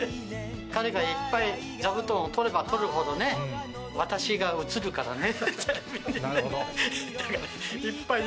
彼がいっぱい座布団を取れば取るほどね、私が映るからね、テレビにね。